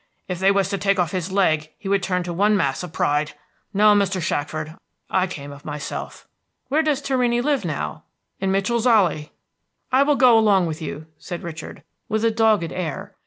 If they was to take off his leg, he would turn into one mass of pride. No, Mr. Shackford, I came of myself." "Where does Torrini live, now?" "In Mitchell's Alley." "I will go along with you," said Richard, with a dogged air.